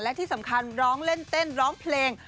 และที่สำคัญร้องเล่นเต้นร้องเพลง